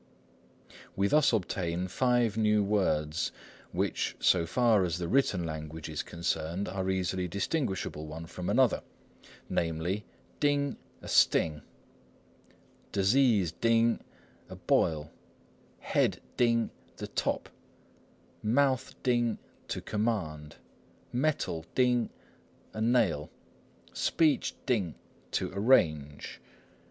We thus obtain five new words, which, so far as the written language is concerned, are easily distinguishable one from another, namely, ting "a sting," disease ting = "a boil," head ting = "the top," mouth ting = "to command," metal ting = "a nail," speech ting = "to arrange."